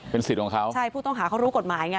สิทธิ์ของเขาใช่ผู้ต้องหาเขารู้กฎหมายไง